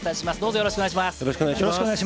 よろしくお願いします。